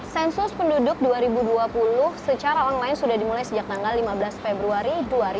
sensus penduduk dua ribu dua puluh secara online sudah dimulai sejak tanggal lima belas februari dua ribu dua puluh